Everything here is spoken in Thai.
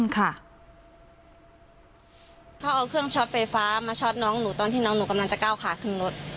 เขาเอาเครื่องช็อตไฟฟ้ามาช็อตน้องหนูตอนที่น้องหนูกำลังจะก้าวขาขึ้นรถ